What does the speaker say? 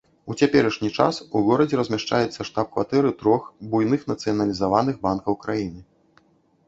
У цяперашні час у горадзе размяшчаецца штаб-кватэры трох буйных нацыяналізаваных банкаў краіны.